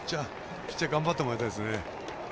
ピッチャー頑張ってもらいたいですね。